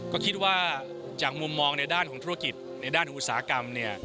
ก็คิดว่าจากมุมมองในด้านของธุรกิจในด้านของอุตสาหกรรม